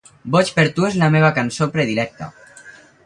"Boig per tu" és la meva cançó predilecta.